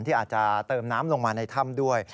ที่อาจจะเติมน้ำลงมาในถ้ำด้วย